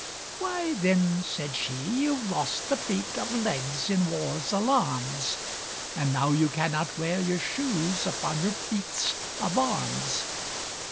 _" "Why, then," said she, "you've lost the feet Of legs in war's alarms, And now you cannot wear your shoes Upon your feats of arms!"